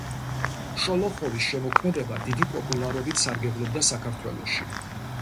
შოლოხოვის შემოქმედება დიდი პოპულარობით სარგებლობდა საქართველოში.